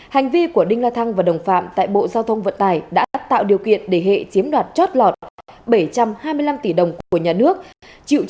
hành vi của đinh la thăng và đồng phạm tại bộ giao thông vận tài đã tạo điều kiện để hệ chiếm đoạt chót lọt bảy trăm hai mươi năm tỷ đồng của nhà nước